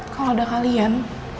kalau ada kalian